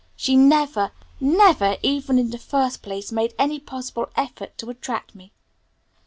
She never, never even in the first place, made any possible effort to attract me.